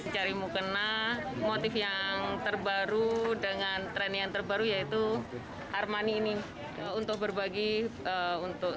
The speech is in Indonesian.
cari mukena motif yang terbaru dengan tren yang terbaru yaitu armani ini untuk berbagi untuk